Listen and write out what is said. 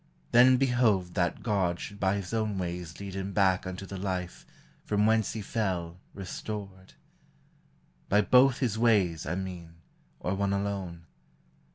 Then behoved That God should by his own ways lead him back Unto the life, from whence he fell, restored : By both his ways, I mean, or one alone.